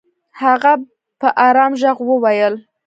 هغه په ارام ږغ وويل.